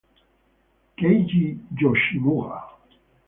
Keiji Yoshimura